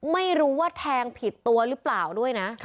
ไม่รู้ว่าแทงผิดตัวหรือเปล่าด้วยนะ